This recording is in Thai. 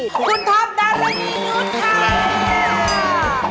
คุณทอมดารนียุทธ์ค่ะ